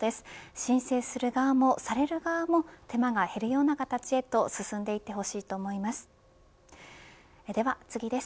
申請する側もされる側も手間が減るような形へと進んでいってほしいと思います。